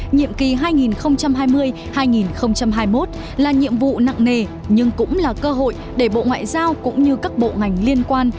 nhiệm kỳ hai nghìn hai mươi hai nghìn hai mươi một là nhiệm vụ nặng nề nhưng cũng là cơ hội để bộ ngoại giao cũng như các bộ ngành liên quan